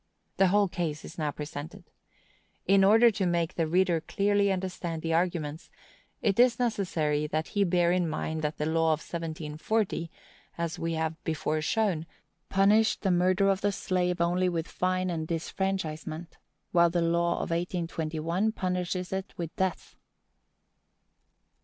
The whole case is now presented. In order to make the reader clearly understand the arguments, it is necessary that he bear in mind that the law of 1740, as we have before shown, punished the murder of the slave only with fine and disfranchisement, while the law of 1821 punishes it with death.